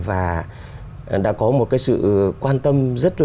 và đã có một sự quan tâm